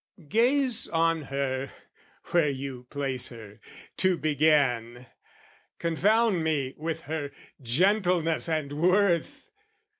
Gaze on her, where you place her, to begin, Confound me with her gentleness and worth!